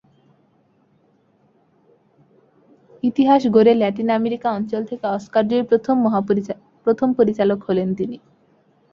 ইতিহাস গড়ে Latin America অঞ্চল থেকে অস্কারজয়ী প্রথম পরিচালক হলেন তিনি।